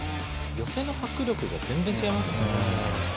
寄せる迫力が全然違いますね。